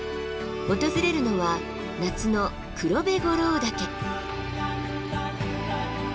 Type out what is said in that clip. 訪れるのは夏の黒部五郎岳。